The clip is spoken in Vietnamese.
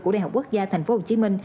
của đại học quốc gia tp hcm